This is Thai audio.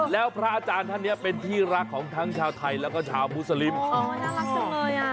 แล้วพระอาจารย์ท่านเนี้ยเป็นที่รักของทั้งชาวไทยแล้วก็ชาวมุสลิมเลยอ่ะ